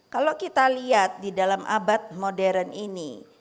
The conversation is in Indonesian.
kalau kita lihat di dalam abad modern ini